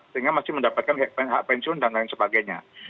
sehingga masih mendapatkan hak pensiun dan lain sebagainya